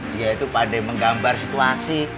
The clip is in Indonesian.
dia itu pandai menggambar situasi